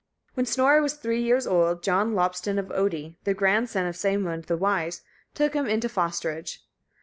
When Snorre was three years old, John Loptson of Oddi, the grandson of Sæmund the Wise, took him into fosterage.